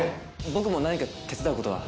僕も何か手伝うことは。